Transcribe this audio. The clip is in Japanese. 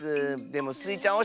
でもスイちゃん